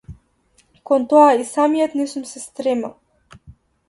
Кон тоа и самиот не сум се стремел.